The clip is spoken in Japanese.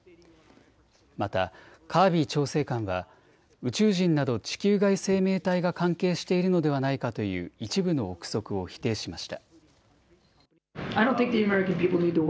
またカービー調整官は宇宙人など地球外生命体が関係しているのではないかという一部の臆測を否定しました。